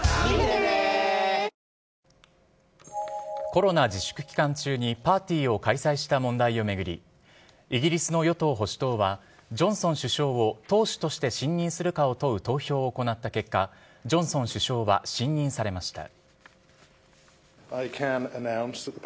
コロナ自粛期間中にパーティーを開催した問題を巡り、イギリスの与党・保守党はジョンソン首相を党首として信任するかを問う投票を行った結果、ジョンソン首相は信任されました。